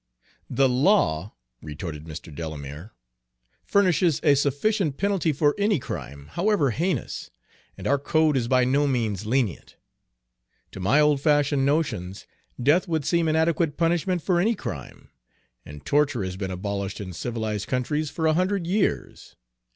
"The law," retorted Mr. Delamere, "furnishes a sufficient penalty for any crime, however heinous, and our code is by no means lenient. To my old fashioned notions, death would seem an adequate punishment for any crime, and torture has been abolished in civilized countries for a hundred years.